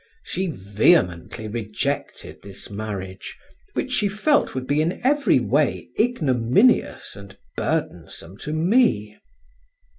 She vehemently rejected this marriage, which she felt would be in every way ignominious and burdensome to me.